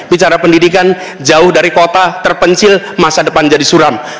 bicara pendidikan jauh dari kota terpencil masa depan jadi suram